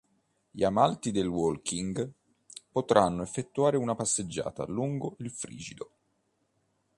Gli amanti del "walking" potranno effettuare una passeggiata lungo il Frigido.